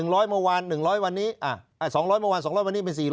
๑ร้อยเมื่อวาน๒๐๐เมื่อวานสองร้อยเมื่อวานอีก๔๐๐